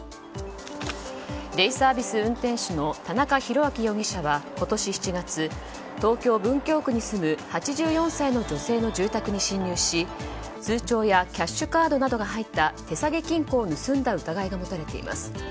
デイサービス運転手の田中広明容疑者は今年７月、東京・文京区に住む８４歳の女性の住宅に侵入し通帳やキャッシュカードなどが入った手提げ金庫を盗んだ疑いが持たれています。